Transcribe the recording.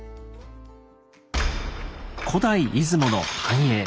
古代出雲の繁栄。